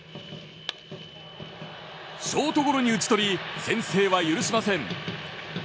ショートゴロに打ち取り先制は許しません。